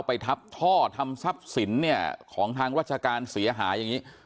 ไปทับท่อทำทรัพย์สินเนี่ยของทางราชการเสียหายอย่างนี้